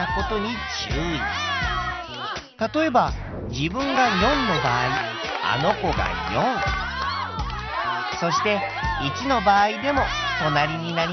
例えば自分が４の場合あの子が４そして１の場合でも隣になります。